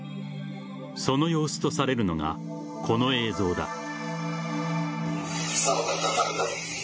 その様子とされるのがこの映像だ。